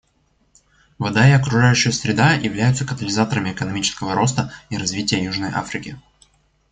Вода и окружающая среда являются катализаторами экономического роста и развития Южной Африки.